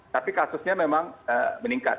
tapi kasusnya memang meningkat